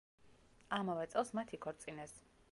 ამავე წელს მათ იქორწინეს.